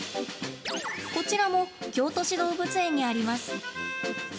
こちらも京都市動物園にあります。